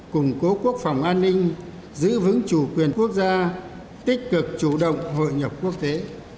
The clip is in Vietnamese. củng cố quốc phòng an ninh giữ vững chủ quyền quốc gia tích cực chủ động hội nhập quốc tế